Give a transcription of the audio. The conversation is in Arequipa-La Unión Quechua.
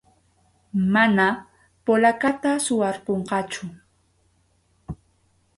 Mana polacata suwarqunqachu.